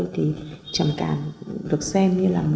thì trầm cảm được xem như là một trăm linh